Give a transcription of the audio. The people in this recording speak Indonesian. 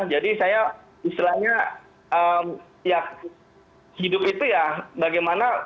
jadi saya istilahnya ya hidup itu ya bagaimana